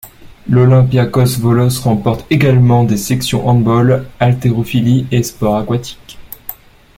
L'Olympiakos Volos comporte également des sections handball, haltérophilie et sports aquatiques.